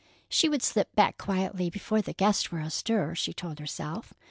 She would slip back quietly, before the guests were astir, she told herself.